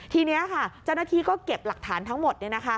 ทีนี้ค่ะเจ้าหน้าที่ก็เก็บหลักฐานทั้งหมด